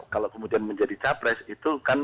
kalau kemudian menjadi capres itu kan